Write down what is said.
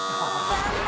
残念。